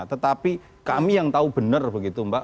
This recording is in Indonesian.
tetapi kami yang tahu benar begitu mbak